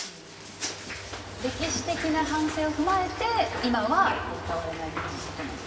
歴史的な反省を踏まえて今は歌われないっていうことなんですね。